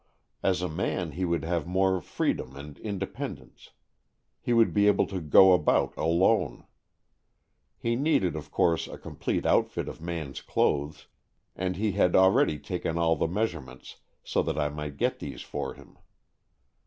As a man he would have more free dom and independence. He would be able to go about alone. He needed, of course, a complete outfit of man's clothes, and he had already taken all the measurements, so that I might get these for him.